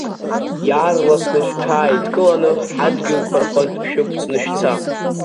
Иаарласны шәҽааидкыланы ҳадгьылқәа рҟынтә шәықәҵны шәца!